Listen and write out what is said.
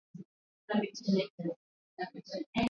mwili mzima na nyingine ikimwonyesha kijana akitabasamu